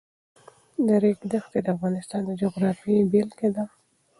د ریګ دښتې د افغانستان د جغرافیې بېلګه ده.